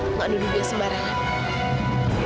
nggak duduk dia sembarangan